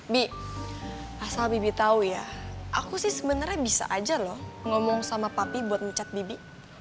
bi asal bibi tahu ya aku sih sebenarnya bisa aja loh ngomong sama papi buat mencat bibi